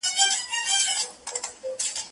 په تول به هر څه برابر وي خو افغان به نه وي